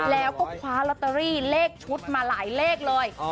แล้วก็คว้าลอตเตอรี่เลขชุดมาหลายเลขเลย